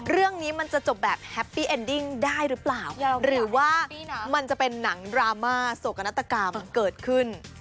เรื่องนี้มันจะจบแบบแฮปปี้เอ็นดิ้งได้หรือเปล่าหรือว่ามันจะเป็นหนังดราม่าโศกนาฏกรรมเกิดขึ้น